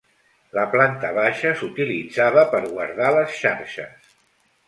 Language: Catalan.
La planta baixa s'utilitzava per guardar les xarxes.